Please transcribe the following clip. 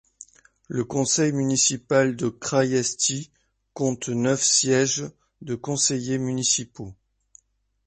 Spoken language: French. Le Conseil Municipal de Crăiești compte neuf sièges de conseillers municipaux.